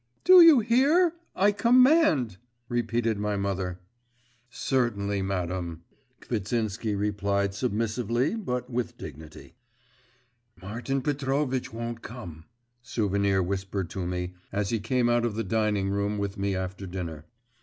'Do you hear? I command!' repeated my mother. 'Certainly, madam,' Kvitsinsky replied submissively but with dignity. 'Martin Petrovitch won't come!' Souvenir whispered to me, as he came out of the dining room with me after dinner.